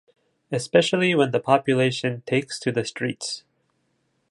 Especially when the population “takes to the streets”.